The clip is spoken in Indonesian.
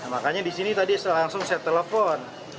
makanya disini tadi langsung saya telepon